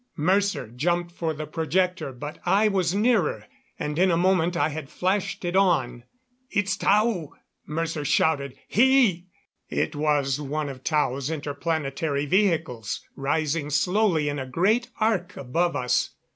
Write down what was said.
Mercer jumped for the projector, but I was nearer, and in a moment I had flashed it on. "It's Tao!" Mercer shouted. "He " It was one of Tao's interplanetary vehicles, rising slowly in a great arc above us.